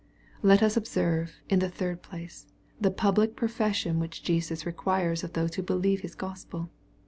Let us observe, in the third place, Oie public profession which Jesus requires of those who believe His Gospel.